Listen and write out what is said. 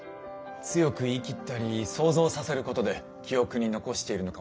強く言い切ったり想像させることで記憶に残しているのかもしれませんね。